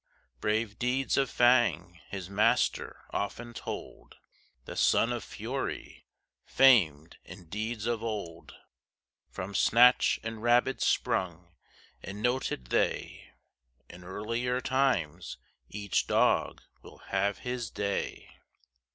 Brave deeds of Fang his master often told, The son of Fury, famed in deeds of old, From Snatch and Rabid sprung; and noted they In earlier times each dog will have his day.